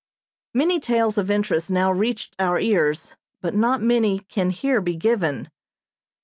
Many tales of interest now reached our ears, but not many can here be given.